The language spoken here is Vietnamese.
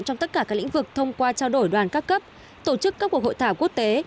trong tất cả các lĩnh vực thông qua trao đổi đoàn các cấp tổ chức các cuộc hội thảo quốc tế